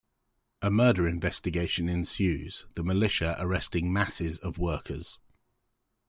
A murder investigation ensues, the militia arresting masses of workers.